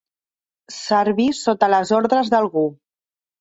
Servir sota les ordres d'algú.